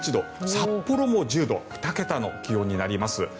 札幌も１０度２桁の気温になります。